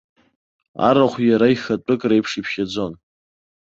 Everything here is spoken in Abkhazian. Арахә иара ихатәык реиԥш иԥхьаӡон.